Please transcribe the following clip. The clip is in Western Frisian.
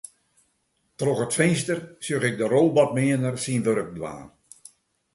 Troch it finster sjoch ik de robotmeaner syn wurk dwaan.